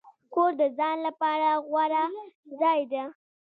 کور د ځان لپاره غوره ځای دی.